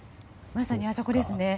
まさにあそこですね。